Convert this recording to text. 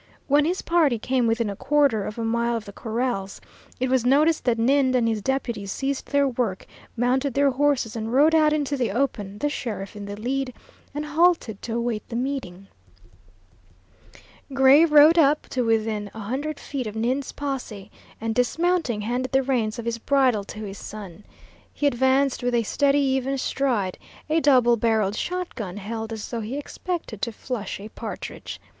When his party came within a quarter of a mile of the corrals, it was noticed that Ninde and his deputies ceased their work, mounted their horses, and rode out into the open, the sheriff in the lead, and halted to await the meeting. Gray rode up to within a hundred feet of Ninde's posse, and dismounting handed the reins of his bridle to his son. He advanced with a steady, even stride, a double barreled shotgun held as though he expected to flush a partridge.